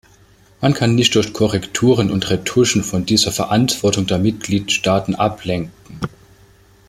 Man kann nicht durch Korrekturen und Retuschen von dieser Verantwortung der Mitgliedstaaten ablenken.